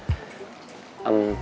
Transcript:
pak bu saya mau tanya